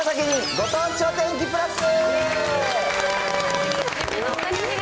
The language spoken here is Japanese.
ご当地お天気プラス。